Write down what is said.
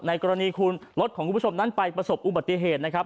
กรณีคุณรถของคุณผู้ชมนั้นไปประสบอุบัติเหตุนะครับ